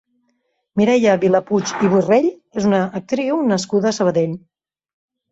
Mireia Vilapuig i Borrell és una actriu nascuda a Sabadell.